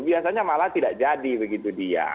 biasanya malah tidak jadi begitu dia